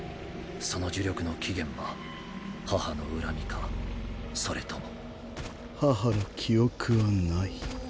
その呪力の起源は母の恨みかそれとも母の記憶はない。